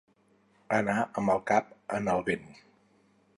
Anar amb el cap en el vent.